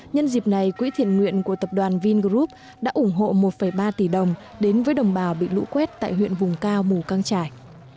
nhân dịp này quỹ thiện nguyện của tập đoàn vingroup đã ủng hộ một ba tỷ đồng đến với đồng bào bị lũ quét tại huyện vùng cao mù căng trải